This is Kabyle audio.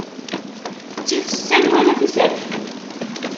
Ttif sser wala tiserfin.